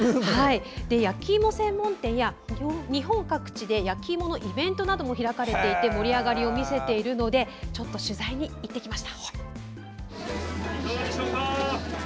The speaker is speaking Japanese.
焼きいも芋専門店や日本各地で焼きいものイベントなども開かれていて盛り上がりを見せているので取材に行ってきました。